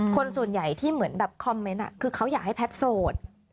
คนส่วนใหญ่ที่เหมือนแบบคอมเมนต์คือเขาอยากให้แพทย์โสด